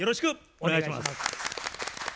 お願いします。